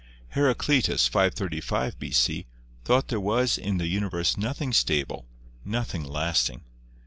Heraclitus (535 b.c.) thought there was in the universe nothing stable, nothing lasting.